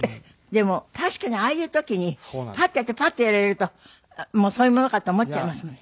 でも確かにああいう時にパッとやってパッとやられるとそういうものかと思っちゃいますもんね。